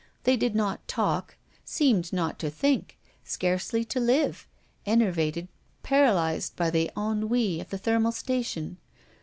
They did not talk, seemed not to think, scarcely to live, enervated, paralyzed by the ennui of the thermal station.